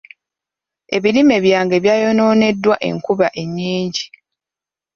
Ebirime byange byayonooneddwa enkuba ennyingi.